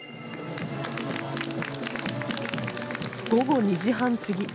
午後２時半過ぎ